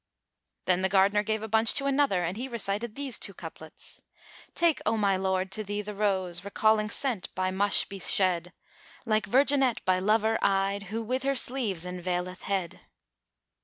Then the gardener gave a bunch to another and he recited these two couplets, "Take, O my lord, to thee the Rose * Recalling scent by mush be shed. Like virginette by lover eyed * Who with her sleeves[FN#415] enveileth head."